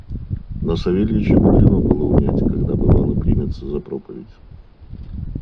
Но Савельича мудрено было унять, когда, бывало, примется за проповедь.